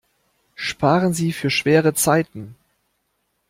Sparen Sie für schwere Zeiten!